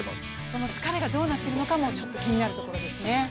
その疲れがどうなってるかも気になるところですね。